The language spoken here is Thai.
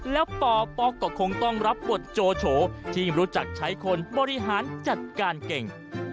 แล้วปป๊อกก็คงต้องรับบทโจโฉที่รู้จักใช้คนบริหารจัดการเก่ง